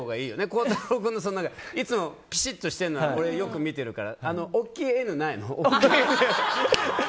孝太郎君いつもピシッとしているのはよく見てるから大きいＮないの？